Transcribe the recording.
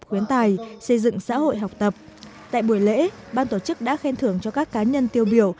khuyến tài xây dựng xã hội học tập tại buổi lễ ban tổ chức đã khen thưởng cho các cá nhân tiêu biểu